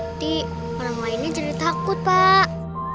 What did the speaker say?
nanti orang lainnya jadi takut pak